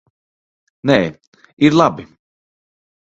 Nē, ir labi.